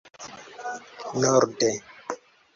norde